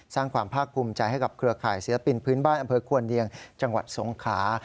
สร้างความภาคภูมิใจให้กับเครือข่ายศิลปินพื้นบ้านอำเภอควรเนียงจังหวัดสงขา